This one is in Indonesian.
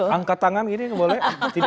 angkat tangan tidak boleh